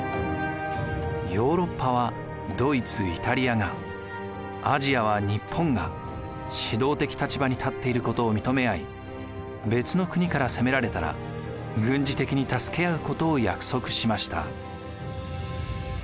ヨーロッパはドイツイタリアがアジアは日本が指導的立場に立っていることを認め合い別の国から攻められたら軍事的に助け合うことを約束しました。